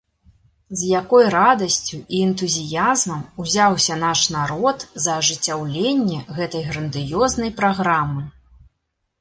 З якой радасцю і энтузіязмам узяўся наш народ за ажыццяўленне гэтай грандыёзнай праграмы!